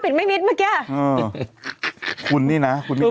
เป็นการกระตุ้นการไหลเวียนของเลือด